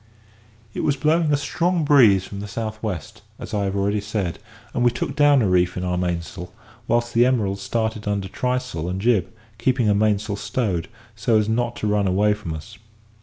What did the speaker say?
It was blowing a strong breeze from the south west, as I have already said, and we took down a reef in our mainsail, whilst the Emerald started under trysail and jib, keeping her mainsail stowed, so as not to run away from us.